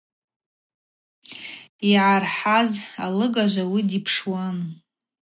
Йгӏархӏаз алыгажв ауи дипшуан.